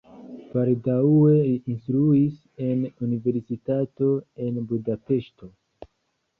Baldaŭe li instruis en universitato en Budapeŝto.